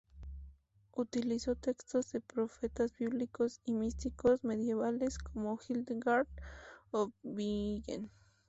Utilizó textos de profetas bíblicos y místicos medievales como Hildegard of Bingen.